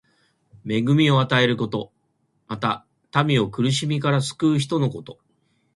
恵みを与えること。また、民を苦しみから救う人のこと。